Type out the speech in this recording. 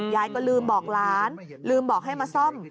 ยายก็ลืมบอกหลานลืมบอกให้มาซ่อม